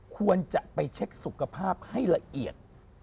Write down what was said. ควรจะไปเช็คสุขภาพให้ละเอียด